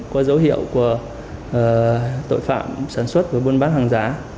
có dấu hiệu của tội phạm sản xuất và buôn bán hàng giá